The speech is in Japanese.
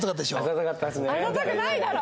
あざとくないだろ！